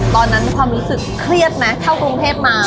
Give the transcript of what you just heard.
ตอนนั้นความรู้สึกเครียดมั้ยเข้าคมเทพมา